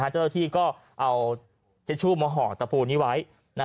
เจ้าเที่ยวก็เอาเช็ชชู่หม่อห่อตะปูนี่ไว้